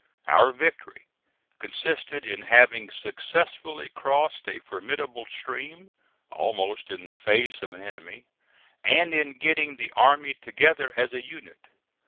Our victory consisted in having successfully crossed a formidable stream, almost in the face of an enemy, and in getting the army together as a unit.